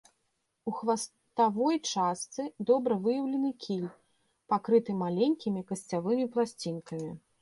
У хваставой частцы добра выяўлены кіль, пакрыты маленькімі касцявымі пласцінкамі.